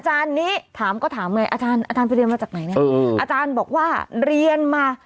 ฮ่าฮ่าฮ่าฮ่าฮ่าฮ่าฮ่าฮ่าฮ่าฮ่าฮ่าฮ่าฮ่า